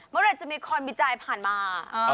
มรดจะมีคอนบิจัยผ่านมา